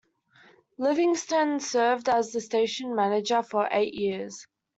Livingston served as the station manager for eight years.